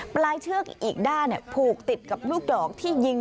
ปลายเชือกอีกด้านผูกติดกับลูกดอกที่ยิง